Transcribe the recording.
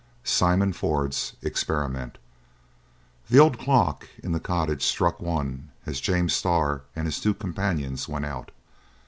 SIMON FORD'S EXPERIMENT The old clock in the cottage struck one as James Starr and his two companions went out.